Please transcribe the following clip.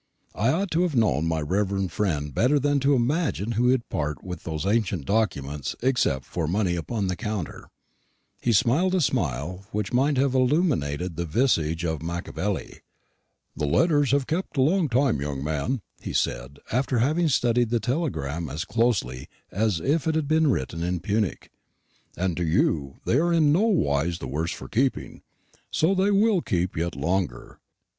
I ought to have known my reverend friend better than to imagine he would part with those ancient documents except for money upon the counter. He smiled a smile which might have illuminated the visage of Machiavelli. "The letters have kept a long time, young man," he said, after having studied the telegram as closely as if it had been written in Punic; "and to you, they are in nowise the worse for keeping: so they will keep yet longer.